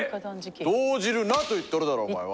⁉動じるなと言っとるだろお前は。